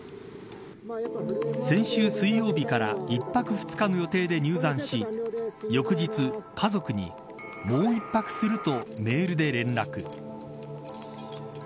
先週水曜日から１泊２日の予定で入山し翌日、家族にもう一泊するとメールで連絡。